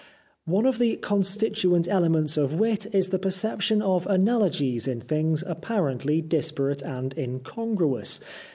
One of the constituent elements of wit is the perception of analogies in things apparently dis parate and incongruous.